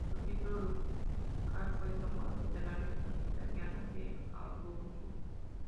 Su título ducal fue tomado de la región italiana de Abruzzo.